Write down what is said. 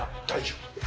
大丈夫。